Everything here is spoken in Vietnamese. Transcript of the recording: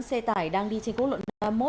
xe tải đang đi trên quốc lộ ba mươi một